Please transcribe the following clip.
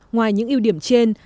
ngoài những ưu điểm trên